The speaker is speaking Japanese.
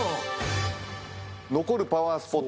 残るパワースポット